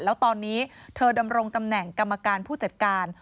แล้วตอนนี้เธอดำรงตำแหน่งกรรมการผู้จัดการ